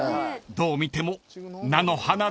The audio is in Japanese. ［どう見ても菜の花です］